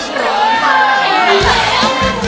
ก็ให้ได้แล้ว